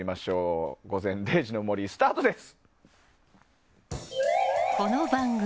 「午前０時の森」、スタートです。